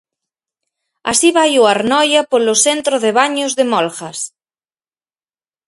Así vai o Arnoia polo centro de Baños de Molgas.